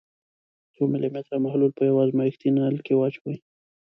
څو ملي لیتره محلول په یو ازمیښتي نل کې واچوئ.